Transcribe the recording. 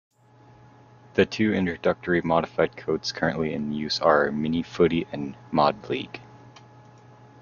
The two introductory modified codes currently in use are "mini footy" and "mod league".